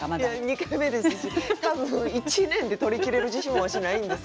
２回目ですし多分１年で取りきれる自信もわしないんですけど。